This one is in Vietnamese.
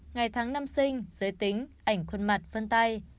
ngày tháng năm sinh giới tính ảnh khuôn mặt phân tay